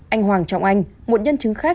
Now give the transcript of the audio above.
anh hoàng trọng anh một nhân chứng khác